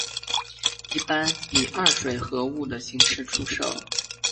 一般以二水合物的形式出售。